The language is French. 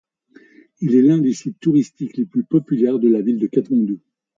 Il est l'un des sites touristiques les plus populaires de la ville de Katmandou.